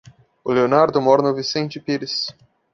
O Leonardo mora no Vicente Pires.